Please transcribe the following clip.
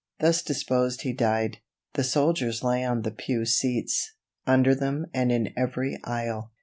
Thus disposed he died. The soldiers lay on the pew seats, under them and in every aisle.